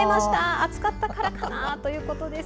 暑かったからかなということです。